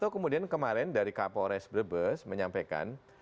kemudian kemarin dari kapolres brebes menyampaikan